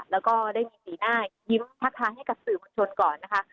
แล้วก็ได้มีสีหน้ายิ้มทักทายให้กับสื่อมวลชนก่อนนะคะ